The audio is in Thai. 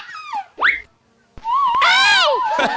อ้าว